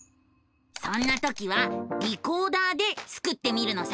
そんな時は「リコーダー」でスクってみるのさ！